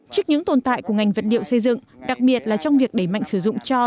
trước những tồn tại của ngành vật liệu xây dựng đặc biệt là trong việc đẩy mạnh sử dụng cho